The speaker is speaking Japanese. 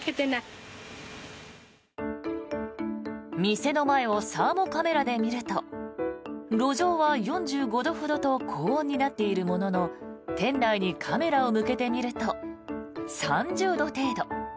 店の前をサーモカメラで見ると路上は４５度ほどと高温になっているものの店内にカメラを向けてみると３０度程度。